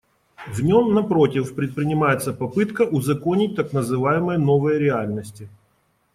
В нем, напротив, предпринимается попытка узаконить так называемые новые реальности.